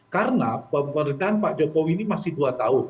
karena pemerintahan pak jokowi ini masih dua tahun